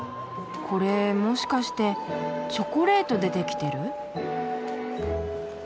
これもしかしてチョコレートで出来てる？